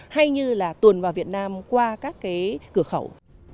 hay như là tuồn vào việt nam qua các cái cửa khẩu